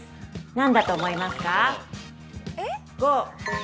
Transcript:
何だと思いますか。